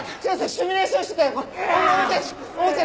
シミュレーションしてた。